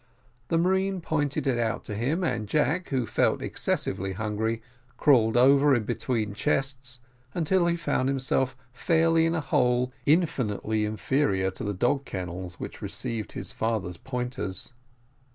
The marine pointed it out to him, and Jack, who felt excessively hungry, crawled over and between chests, until he found himself fairly in a hole infinitely inferior to the dog kennels which received his father's pointers.